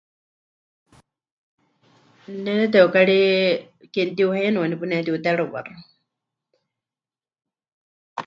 Ne neteukari ke mɨtiuheinɨ waníu paɨ pɨnetiuterɨwáxɨ.